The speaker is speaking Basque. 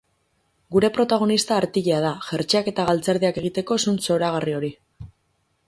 Gure protagonista artilea da, jertseak eta galtzerdiak egiteko zuntz zoragarri hori.